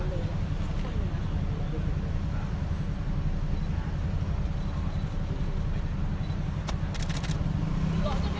ไม่ใช่นี่คือบ้านของคนที่เคยดื่มอยู่หรือเปล่า